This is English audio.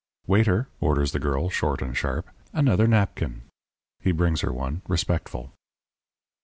"'Waiter,' orders the girl, short and sharp, 'another napkin.' He brings her one, respectful.